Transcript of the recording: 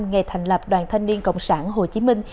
ngày thành lập đoàn thanh niên cộng sản hồ chí minh